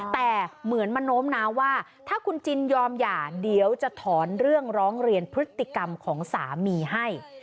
แต่เหมือนมาโน้มน้าวว่าถ้าคุณจินยอมหย่าเดี๋ยวจะถอนเรื่องร้องเรียนพฤติกรรมของสามีให้